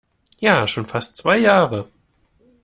Ja, schon fast zwei Jahre.